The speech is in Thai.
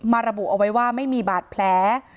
ระบุเอาไว้ว่าไม่มีบาดแผล